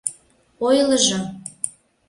— Ойлыжо!..